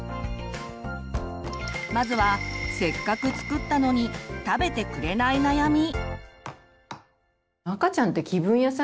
まずはせっかく作ったのに食べてくれない悩み。